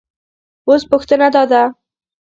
اوس پوښتنه دا ده